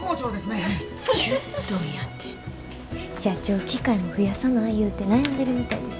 社長機械も増やさないうて悩んでるみたいです。